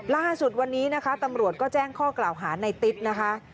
ล่าสุดวันนี้นะคะตำรวจก็แจ้งข้อกล่าวหาในติ๊ดนะคะ